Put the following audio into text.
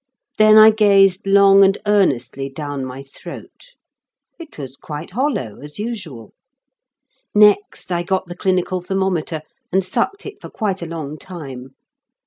Then I gazed long and earnestly down my throat. It was quite hollow as usual. Next I got the clinical thermometer and sucked it for quite a long time.